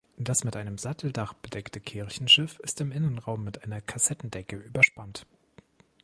Das mit einem Satteldach bedeckte Kirchenschiff ist im Innenraum mit einer Kassettendecke überspannt.